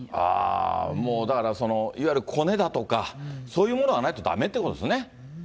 もうだからいわゆるこねだとか、そういうものがないとだめってことですね。